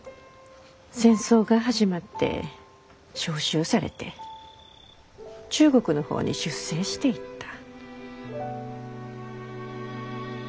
戦争が始まって召集されて中国の方に出征していった。